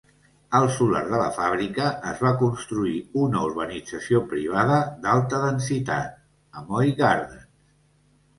Al solar de la fàbrica es va construir una urbanització privada d'alta densitat, Amoy Gardens.